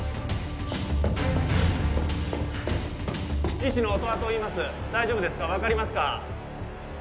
医師の音羽といいます大丈夫ですか分かりますか？